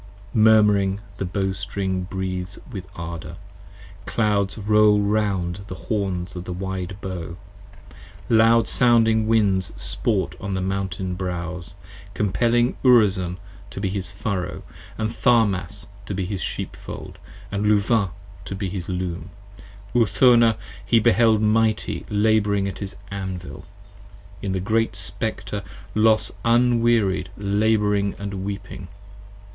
Murmuring the Bowstring breathes with ardor! clouds roll round the 15 Horns of the wide Bow, loud sounding winds sport on the mountain brows; Compelling Urizen to his Furrow, & Tharmas to his Sheepfold, And Luvah to his Loom; Urthona he beheld mighty labouring at His Anvil, in the Great Spectre Los unwearied labouring & weeping.